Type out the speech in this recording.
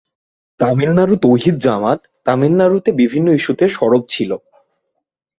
তামিলনাড়ু তৌহিদ জামাত তামিলনাড়ুতে বিভিন্ন ইস্যুতে সরব ছিল।